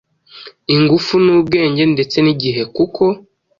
ingufu n’ubwenge, ndetse n’igihe kuko